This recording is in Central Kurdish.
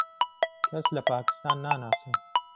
کەس لە پاکستان ناناسم.